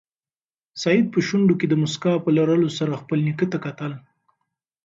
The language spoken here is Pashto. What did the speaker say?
سعید په شونډو کې د موسکا په لرلو سره خپل نیکه ته کتل.